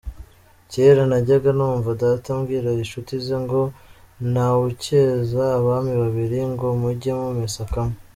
Cyera najyaga numva data abwira inshutize ngo : “Ntawucyeza abami babiri”, ngo :”mujye mumesa kamwe”.